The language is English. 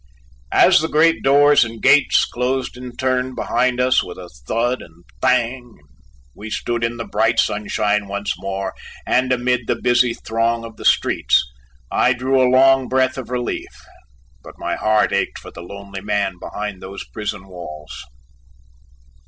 As the great doors and gates closed in turn behind us with a thud and thang and we stood in the bright sunshine once more and amid the busy throng of the streets, I drew a long breath of relief, but my heart ached for the lonely man behind those prison walls.